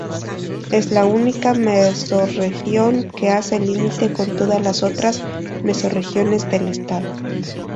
Es la única mesorregión que hace límite con todas las otras mesorregiones del estado.